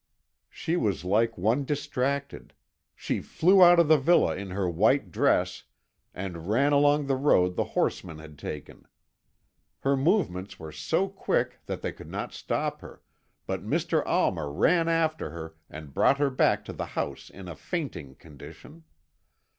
"She was like one distracted. She flew out of the villa in her white dress, and ran along the road the horsemen had taken. Her movements were so quick that they could not stop her, but Mr. Almer ran after her, and brought her back to the house in a fainting condition.